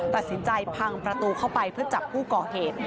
ตัดสินใจพังประตูเข้าไปเพื่อจับผู้ก่อเหตุ